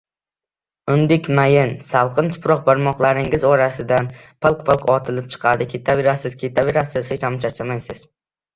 Undek mayin, salqin tuproq barmoqlaringiz orasidan bilq-bilq otilib chiqadi. Ketaverasiz, ketaverasiz, hecham charchamaysiz.